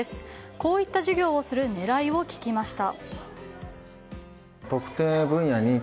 こういった授業をする狙いを聞きました。